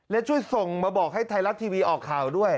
และช่วยส่งมาบอกให้ไทยรัฐทีวีออกข่าวด้วย